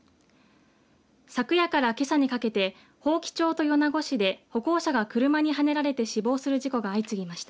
昨夜から、けさにかけて伯耆町と米子市で歩行者が車にはねられて死亡する事故が相次ぎました。